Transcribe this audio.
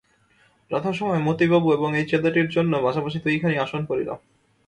যথাসময়ে মতিবাবু এবং এই ছেলেটির জন্য পাশাপাশি দুইখানি আসন পড়িল।